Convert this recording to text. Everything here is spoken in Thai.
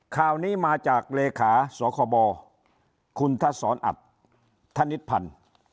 ข่าวนี้มาจากเลขาสคบคุณทัศรอัตธนิษฐพันธ์